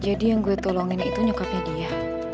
jadi yang gua tolongin itu nyokapnya dia